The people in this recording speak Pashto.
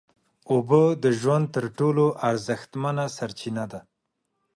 اوبه د ژوند تر ټولو ارزښتمنه سرچینه ده